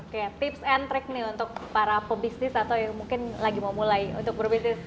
oke tips and trick nih untuk para pebisnis atau yang mungkin lagi mau mulai untuk berbisnis